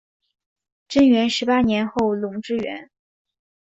贞元十八年后垄之原。